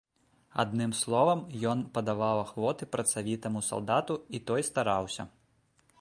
Адным словам, ён паддаваў ахвоты працавітаму салдату, і той стараўся.